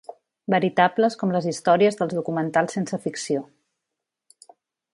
Veritables com les històries dels documentals sense ficció.